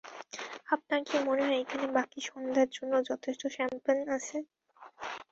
আপনার কি মনে হয় এখানে বাকি সন্ধ্যার জন্য যথেষ্ট শ্যাম্পেন আছে?